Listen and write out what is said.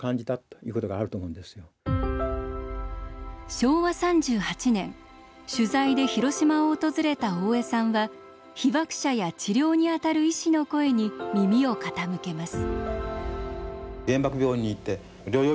昭和３８年取材で広島を訪れた大江さんは被爆者や治療にあたる医師の声に耳を傾けます。